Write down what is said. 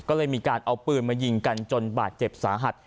ก็เลยมีการเอาปืนมายิงกันจนบาดเจ็บสาหัส